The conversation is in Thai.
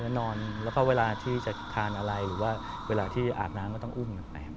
นอนแล้วก็เวลาที่จะทานอะไรหรือว่าเวลาที่อาบน้ำก็ต้องอุ้มมันไป